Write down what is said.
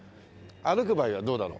歩く場合はどうだろう？